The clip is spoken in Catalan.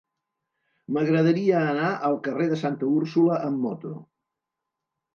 M'agradaria anar al carrer de Santa Úrsula amb moto.